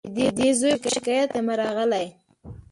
د دې زوی په شکایت یمه راغلې